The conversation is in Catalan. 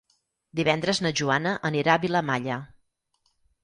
Divendres na Joana anirà a Vilamalla.